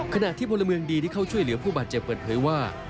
ขณะที่พลเมืองดีที่เข้าช่วยเหลือผู้บาดเจ็บเปิดเผยว่า